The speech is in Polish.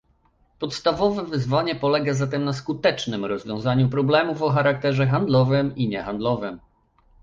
Podstawowe wyzwanie polega zatem na skutecznym rozwiązaniu problemów o charakterze handlowym i niehandlowym